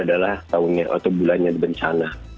desember adalah bulannya bencana